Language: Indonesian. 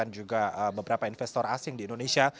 dan juga beberapa investor asing di indonesia